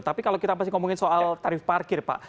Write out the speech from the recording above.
tapi kalau kita masih ngomongin soal tarif parkir pak